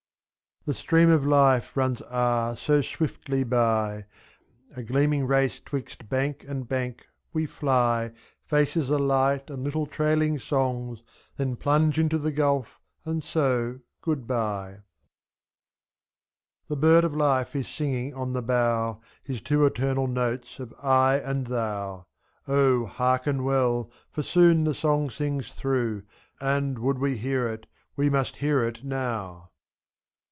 The stream of life runs ah ! so swiftly by, A gleaming race 'twixt bank and bank — we fly, ^0. Faces alight and little trailing songs. Then plunge into the gulf, and so good bye. 39 The bird of life is singing on the bough His two eternal notes of "I and Thou" —^'' O ! hearken well, for soon the song sings through. And, would we hear it, we must hear it now.